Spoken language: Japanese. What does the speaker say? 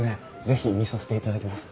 是非見させていただきます。